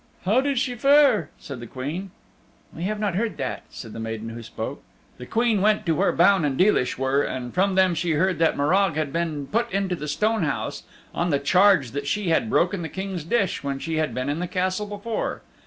"How did she fare?" said the Queen. "We have not heard that," said the maiden who spoke. The Queen went to where Baun and Deelish were and from them she heard that Morag had been put into the Stone House on the charge that she had broken the King's dish when she had been in the Castle before.